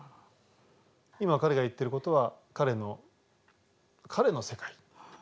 今彼が言ってることは彼の彼の世界。